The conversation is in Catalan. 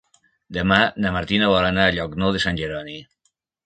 Demà na Martina vol anar a Llocnou de Sant Jeroni.